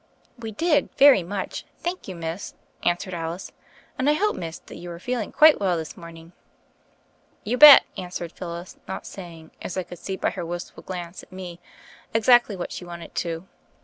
"We did, very much, thank you, Miss," answered Alice; "and I hope, Miss, that you arc feeling quite well this morning?*' "You bet," answered Phyllis, not saying, as I could see by her wistful glance at me, exactly what she wanted to.